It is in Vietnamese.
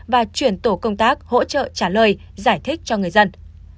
và chuyển tổ công tác hỗ trợ trả lời giải thích cho người dân